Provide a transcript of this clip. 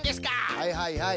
はいはいはい。